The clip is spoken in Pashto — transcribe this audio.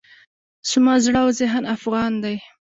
زما زړه او ذهن افغان دی.